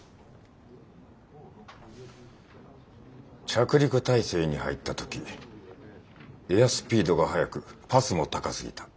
着陸態勢に入った時エアスピードが速くパスも高すぎた。